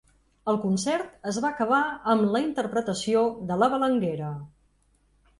El concert es va acabar amb la interpretació de ‘La Balanguera’.